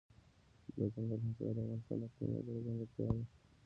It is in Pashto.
دځنګل حاصلات د افغانستان د اقلیم یوه بله ځانګړتیا ده.